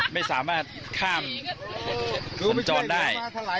ไม่สามารถข้ามสัญจรได้